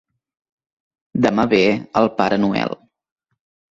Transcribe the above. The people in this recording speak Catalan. Demà ve el pare Noel.